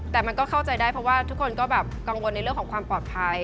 แต่มันก็เข้าใจได้เพราะว่าทุกคนก็แบบกังวลในเรื่องของความปลอดภัย